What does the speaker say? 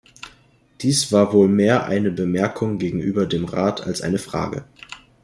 Dies war wohl mehr eine Bemerkung gegenüber dem Rat als eine Frage.